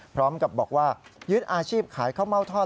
พร้อมกับบอกว่ายึดอาชีพขายข้าวเม่าทอด